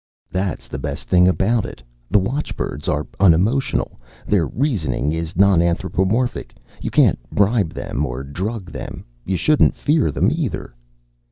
"That's the best thing about it. The watchbirds are unemotional. Their reasoning is non anthropomorphic. You can't bribe them or drug them. You shouldn't fear them, either."